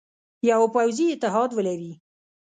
یوه پوځي اتحاد ولري.